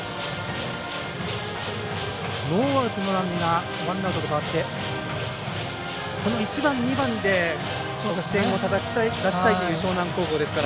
ノーアウトのランナーワンアウトと変わってこの１番、２番で点を出したいという樟南高校ですから。